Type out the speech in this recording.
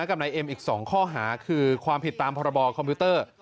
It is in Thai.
กับนายเอ็มอีก๒ข้อหาคือความผิดตามพรบคอมพิวเตอร์